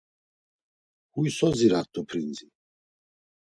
Huy so zirart̆u prinzi?